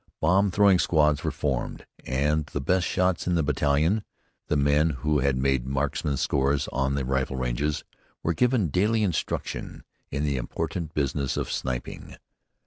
Bomb throwing squads were formed, and the best shots in the battalion, the men who had made marksmen's scores on the rifle ranges, were given daily instruction in the important business of sniping.